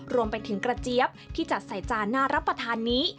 รวมไปถึงกระเจี๊ยบที่จัดใส่จานน่ารับประทานนี้